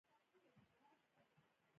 نړیوالتوب کم معاش لرونکي تولیدي دندې لېږدوي